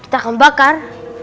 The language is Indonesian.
kita akan bakar